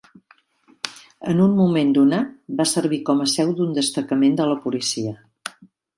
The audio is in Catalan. En un moment donat, va servir com a seu d'un destacament de la policia.